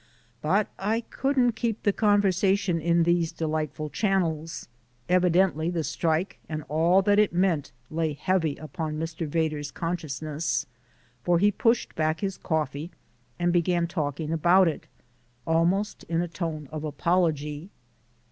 But I couldn't keep the conversation in these delightful channels. Evidently the strike and all that it meant lay heavy upon Mr. Vedder's consciousness, for he pushed back his coffee and began talking about it, almost in a tone of apology.